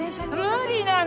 無理なの！